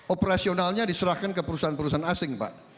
operasionalnya diserahkan ke perusahaan perusahaan asing pak